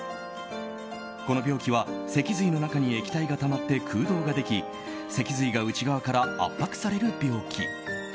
この病気は脊髄の中に液体がたまって空洞ができ脊髄が内側から圧迫される病気。